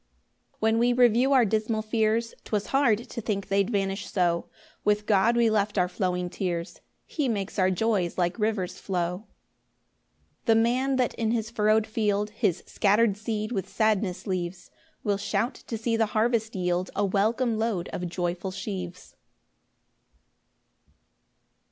3 When we review our dismal fears, 'Twas hard to think they'd vanish so; With God we left our flowing tears, He makes our joys like rivers flow. 4 The man that in his furrow'd field His scatter'd seed with sadness leaves, Will shout to see the harvest yield A welcome load of joyful sheaves.